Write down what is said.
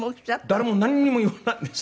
誰もなんにも言わないんです。